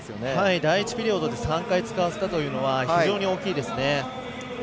第１ピリオドで３回使わせたというのは非常に大きいですね。